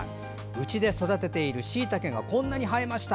うちで育てているしいたけがこんなに生えました。